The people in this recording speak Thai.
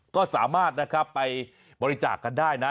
ก็สามารถไปบริจากกันได้นะ